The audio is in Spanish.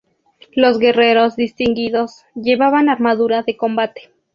Los guerreros distinguidos llevaban armadura de combate.